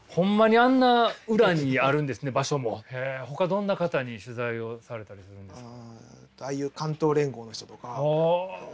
ほかどんな方に取材をされたりするんですか？